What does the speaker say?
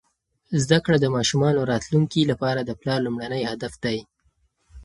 زده کړه د ماشومانو راتلونکي لپاره د پلار لومړنی هدف دی.